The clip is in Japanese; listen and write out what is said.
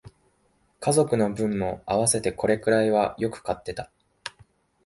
家族の分も合わせてこれくらいはよく買ってた